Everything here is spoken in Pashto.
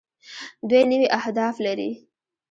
دوی نوي اهداف لري.